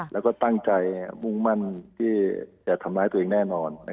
แล้วก็ตั้งใจมุ่งมั่นที่จะทำร้ายตัวเองแน่นอน